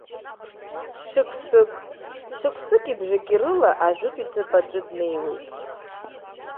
Шықәсык, шықәсыки бжаки рыла ажәытә иҭыԥ аҿы днеиуеит.